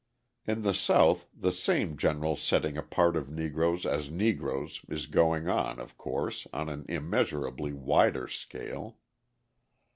In the South the same general setting apart of Negroes as Negroes is going on, of course, on an immeasurably wider scale.